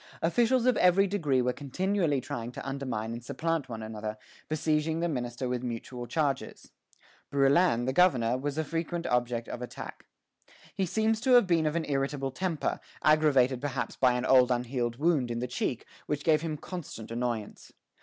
Officials of every degree were continually trying to undermine and supplant one another, besieging the minister with mutual charges. Brouillan, the governor, was a frequent object of attack. He seems to have been of an irritable temper, aggravated perhaps by an old unhealed wound in the cheek, which gave him constant annoyance.